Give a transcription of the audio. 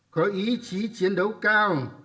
có ý chí chiến đấu cao